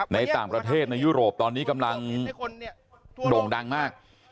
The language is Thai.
ในต่างประเทศในยุโรปตอนนี้กำลังโด่งดังมาก